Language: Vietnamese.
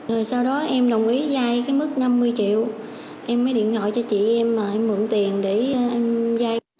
rồi sau đó em đồng ý dai cái mức năm mươi triệu em mới điện gọi cho chị em mà em mượn tiền để em dai